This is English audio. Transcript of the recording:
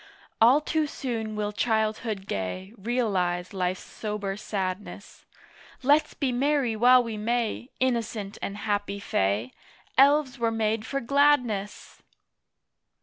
All too soon will Childhood gay Realise Life's sober sadness. Let's be merry while we may, Innocent and happy Fay! Elves were made for gladness!